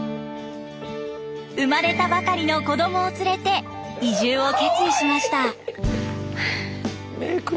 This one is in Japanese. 生まれたばかりの子どもを連れて移住を決意しました。